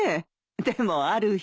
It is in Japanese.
でもある日。